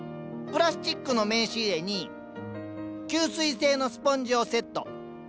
プラスチックの名刺入れに吸水性のスポンジをセット。